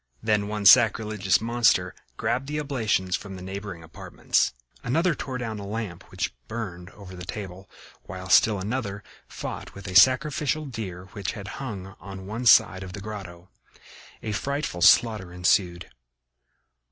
Then one sacrilegious monster grabbed the oblations from the neighboring apartments. Another tore down the lamp which burned over the table, while still another fought with a sacrificial deer which had hung on one side of the grotto. A frightful slaughter ensued.